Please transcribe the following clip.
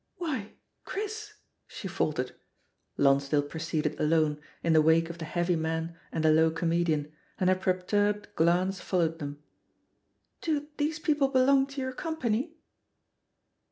"Why, Chris?" she faltered. Lonsdale pro ceeded alone, in the wake of the heavy man and the low comedian, and her perturbed glance fol lowed them. "Do those people belong to your company?'